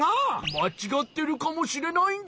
まちがってるかもしれないんじゃ！